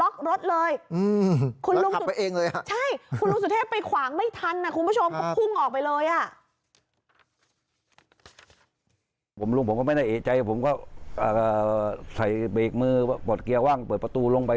เหตุใจผมก็ใส่เบรกมือปลอดเกียร์ว่างเปิดประตูลงไป